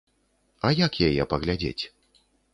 А як яе паглядзець?